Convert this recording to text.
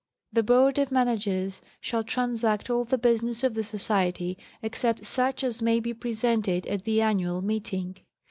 The Board of Managers shall transact all the business of the Society, except such as may be presented at the annual meeting.